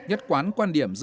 như là chợ đồng hồ